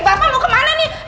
bapak mau ke mana nih